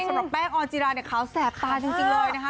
สำหรับแป้งออนจิราเนี่ยขาวแสบตาจริงเลยนะคะ